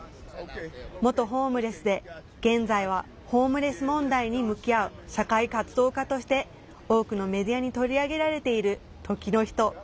元ホームレスで現在はホームレス問題に向き合う社会活動家として多くのメディアに取り上げられている、時の人。